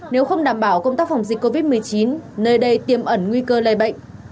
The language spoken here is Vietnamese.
nếu không đảm bảo công tác phòng dịch covid một mươi chín nơi đây tiêm ẩn nguy cơ lây bệnh